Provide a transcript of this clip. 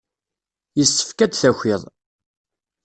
Yessefk ad d-takiḍ.